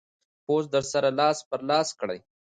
پوسټ در سره لاس پر لاس کړئ.